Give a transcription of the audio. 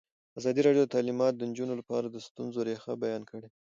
ازادي راډیو د تعلیمات د نجونو لپاره د ستونزو رېښه بیان کړې.